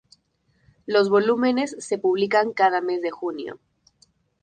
Los volúmenes se publican cada mes de junio.